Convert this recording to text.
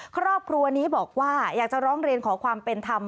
ครอบครัวนี้บอกว่าอยากจะร้องเรียนขอความเป็นธรรม